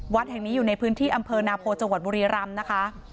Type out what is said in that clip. วัดแห่งนี้อยู่ในพื้นที่อำเภอนาโพจังหวัดบุรีรำนะคะ